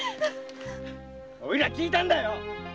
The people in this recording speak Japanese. おいら聞いたのよ。